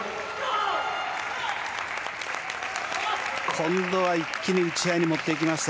今度は一気に打ち合いに持っていきました。